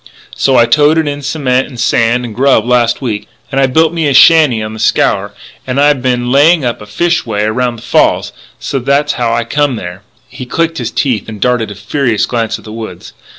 "So I toted in cement and sand and grub last week, and I built me a shanty on the Scaur, and I been laying up a fish way around the falls. So that's how I come there " He clicked his teeth and darted a furious glance at the woods.